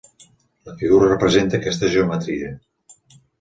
La figura representa aquesta geometria.